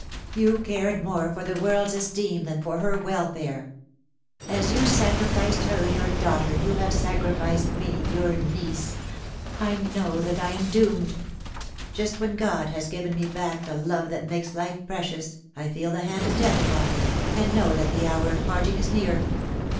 You cared more for the world's esteem than for her welfare. As you sacrificed her, your daugh ter, you have sacrificed me, your niece. I know that I am Like a Tale that is Told. 851 doomed. Just when God has given me back the love that makes life precious, I feel the hand of death upon me, and know that the hour of parting is near."